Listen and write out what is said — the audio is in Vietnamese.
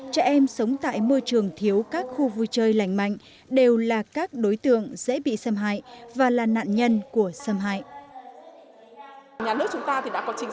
trẻ em sống tại môi trường thiếu các khu vui chơi lành manh